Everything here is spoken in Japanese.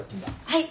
はい。